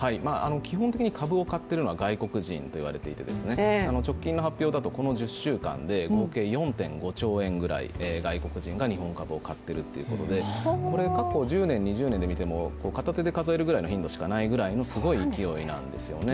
基本的に株を買っているのは外国人といわれていて直近の発表だとこの１０週間で合計４．５兆円ぐらい外国人が日本株を買っているということで過去１０年、２０年で見ても片手で数えるぐらいの頻度しかないほどすごい勢いなんですよね。